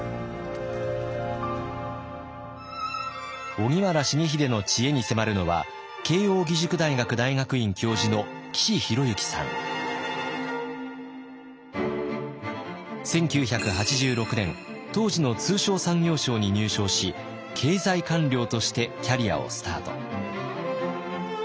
荻原重秀の知恵に迫るのは１９８６年当時の通商産業省に入省し経済官僚としてキャリアをスタート。